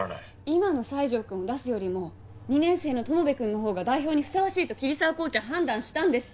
今の西条くんを出すよりも２年生の友部くんのほうが代表にふさわしいと桐沢コーチは判断したんです。